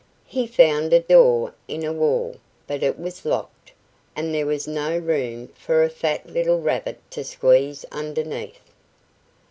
He found a door in a wall; but it was locked, and there was no room for a fat little rabbit to squeeze underneath.